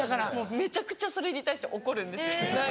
めちゃくちゃそれに対して怒るんですよ。